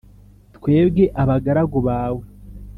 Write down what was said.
twebwe abagaragu bawe,